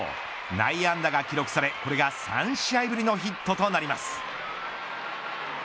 内野安打が記録されこれが３試合ぶりのヒットとなります。